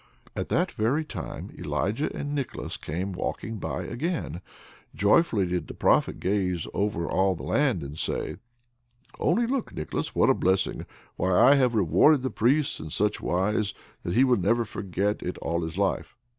At that very time Elijah and Nicholas came walking by again. Joyfully did the Prophet gaze on all the land, and say: "Only look, Nicholas! what a blessing! Why, I have rewarded the Priest in such wise, that he will never forget it all his life."